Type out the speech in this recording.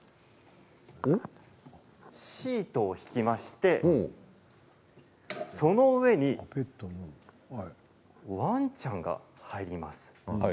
シートを敷きまして、その上にワンちゃんが入ります。